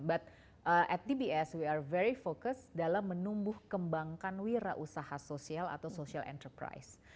but at dbs we are very fokus dalam menumbuh kembangkan wira usaha sosial atau social enterprise